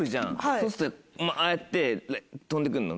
そうするとああやって飛んで来るの？